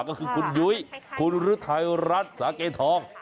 ก็คือคุณยุ้ยคุณฤทัยรัฐสาเกทอง